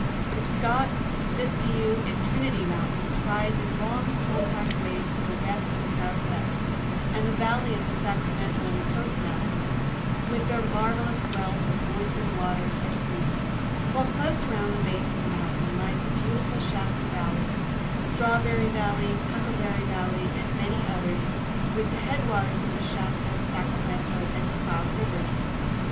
The Scott, Siskiyou, and Trinity Mountains rise in long, compact waves to the west and southwest, and the valley of the Sacramento and the coast mountains, with their marvelous wealth of woods and waters, are seen; while close around the base of the mountain lie the beautiful Shasta Valley, Strawberry Valley, Huckleberry Valley, and many others, with the headwaters of the Shasta, Sacramento, and McCloud Rivers.